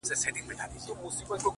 o ښايستو کي خيالوري پيدا کيږي ـ